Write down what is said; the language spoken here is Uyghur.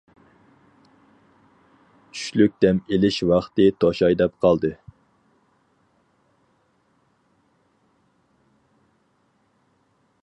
چۈشلۈك دەم ئېلىش ۋاقتى توشاي دەپ قالدى.